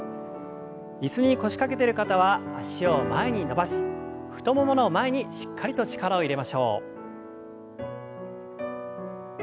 椅子に腰掛けてる方は脚を前に伸ばし太ももの前にしっかりと力を入れましょう。